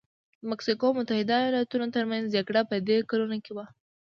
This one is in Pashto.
د مکسیکو او متحده ایالتونو ترمنځ جګړه په دې کلونو کې وه.